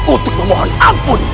untuk memohon ampun